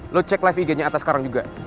lo cek live ig nya atas sekarang juga